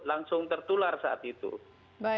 langsung kita mengikuti